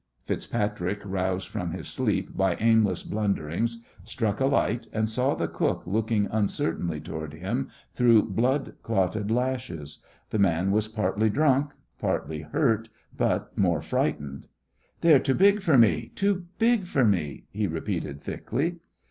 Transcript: FitzPatrick, roused from his sleep by aimless blunderings, struck a light, and saw the cook looking uncertainly toward him through blood clotted lashes. The man was partly drunk, partly hurt, but more frightened. "They's too big fer me, too big fer me!" he repeated, thickly.